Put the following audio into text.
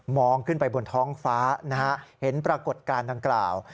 ขึ้นไปบนท้องฟ้านะฮะเห็นปรากฏการณ์ดังกล่าว